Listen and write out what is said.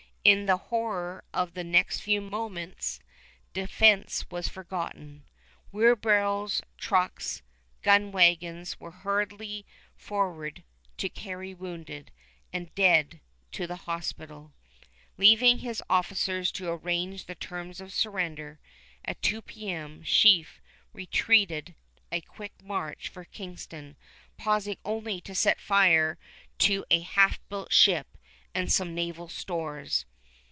In the horror of the next few moments, defense was forgotten. Wheelbarrows, trucks, gun wagons, were hurried forward to carry wounded and dead to the hospital. Leaving his officers to arrange the terms of surrender, at 2 P.M. Sheaffe retreated at quick march for Kingston, pausing only to set fire to a half built ship and some naval stores.